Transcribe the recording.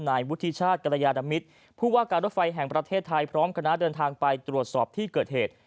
นายวุฒิชาติกรยาดมิตรผู้ว่าการรถไฟแห่งประเทศไทยพร้อมคณะเดินทางไปตรวจสอบที่เกิดเหตุ